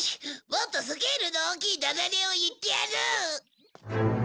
もっとスケールの大きいダジャレを言ってやる！